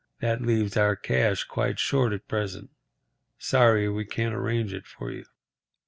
That leaves our cash quite short at present. Sorry we can't arrange it for you."